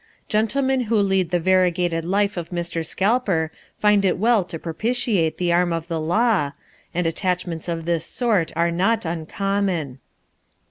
Gentlemen who lead the variegated life of Mr. Scalper find it well to propitiate the arm of the law, and attachments of this sort are not uncommon.